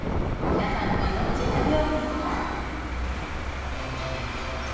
皆さんご存じの料理ですよ。